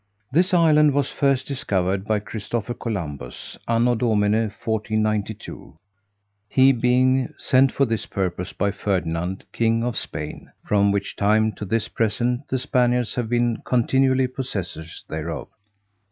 This island was first discovered by Christopher Columbus, A.D. 1492; he being sent for this purpose by Ferdinand, king of Spain; from which time to this present the Spaniards have been continually possessors thereof.